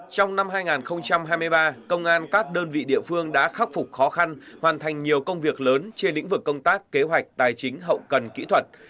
trong năm hai nghìn hai mươi ba công an các đơn vị địa phương đã khắc phục khó khăn hoàn thành nhiều công việc lớn trên lĩnh vực công tác kế hoạch tài chính hậu cần kỹ thuật